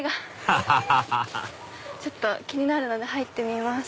アハハハハ気になるので入ってみます。